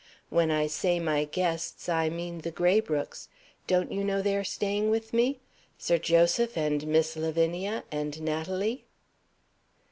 When I say my guests, I mean the Graybrookes. Don't you know they are staying with me? Sir Joseph and Miss Lavinia and Natalie?"